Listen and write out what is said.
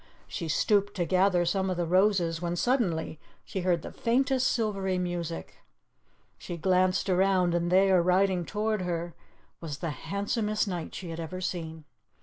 She stooped to gather some of the roses when suddenly she heard the faintest silvery music. She glanced around, and there, riding toward her, was the handsomest knight she had ever seen.